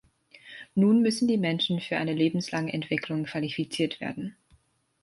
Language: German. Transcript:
Nun müssen die Menschen für eine lebenslange Entwicklung qualifiziert werden.